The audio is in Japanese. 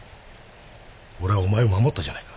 俺はお前を守ったじゃないか。